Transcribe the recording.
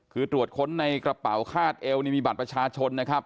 คือตรวจค้นในกระเป๋าคาดเอวนี่มีบัตรประชาชนนะครับ